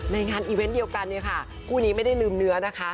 งานอีเวนต์เดียวกันเนี่ยค่ะคู่นี้ไม่ได้ลืมเนื้อนะคะ